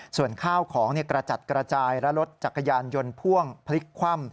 ส่วนข้าวของกระจัดกระจายและรถจักรยานยนต์พ่วงพลิกคว่ำ